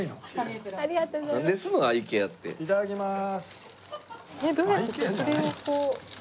えびいただきます。